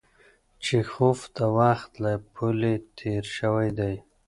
چیخوف د وخت له پولې تېر شوی دی.